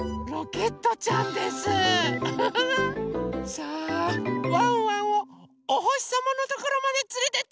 さあワンワンをおほしさまのところまでつれてって！